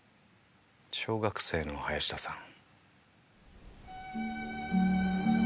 小学生の林田さん。